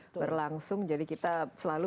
berlangsung jadi kita selalu